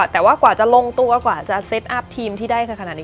แต่ว่ากว่าจะลงตัวกว่าจะเซ็ตอัพทีมที่ได้ขนาดนี้